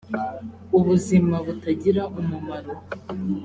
ubuzima butagira umumaro